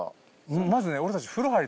まず俺たち。